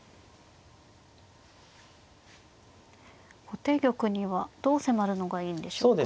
後手玉にはどう迫るのがいいんでしょうか。